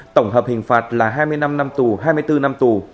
tổng hợp hình phạt là hai mươi năm năm tù hai mươi bốn năm tù